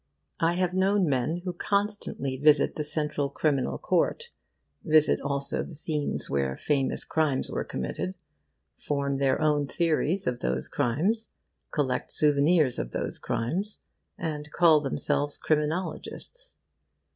I have known men who constantly visit the Central Criminal Court, visit also the scenes where famous crimes were committed, form their own theories of those crimes, collect souvenirs of those crimes, and call themselves Criminologists.